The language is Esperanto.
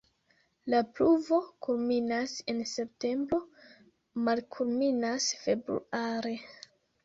La pluvo kulminas en septembro, malkulminas februare.